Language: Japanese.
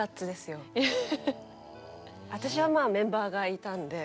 私はまあメンバーがいたんで。